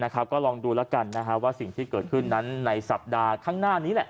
ก็ลองดูแล้วกันว่าสิ่งที่เกิดขึ้นนั้นในสัปดาห์ข้างหน้านี้แหละ